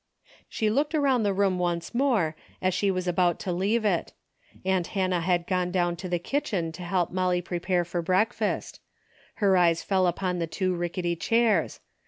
She looked around the room once more as she was about to leave it. Aunt Hannah had gone down to the kitchen to help Molly pre pare for breakfast. Her eyes fell upon the two rickety chairs.